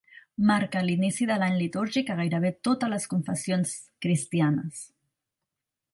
Marca l'inici de l'any litúrgic a gairebé totes les confessions cristianes.